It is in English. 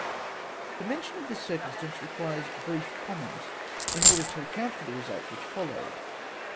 The mention of this circumstance requires brief com ment, in order to account for the result which followed.